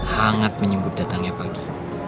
hangat menyumbut datangnya pagi